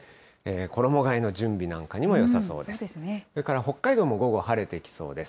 衣がえの準備なんかにもよさそうです。